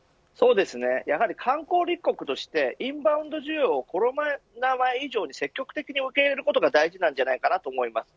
観光立国としてインバウンド需要をコロナ前以上に積極的に受け入れることが大事だと思います。